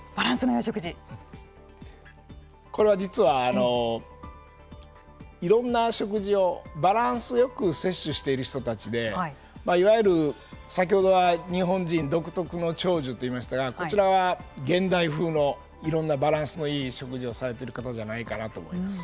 これは、実はいろんな食事をバランスよく摂取している人たちでいわゆる先ほどは日本人独特の長寿といいましたかこちらは現代風のいろんなバランスのいい食事をされている方じゃないかなと思います。